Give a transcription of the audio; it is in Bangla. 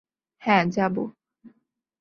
হ্যাঁ, যাবো।